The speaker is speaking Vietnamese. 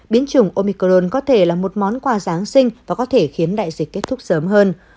biến chủng omicron có thể là một món quà giáng sinh và có thể khiến đại dịch kết thúc sớm hơn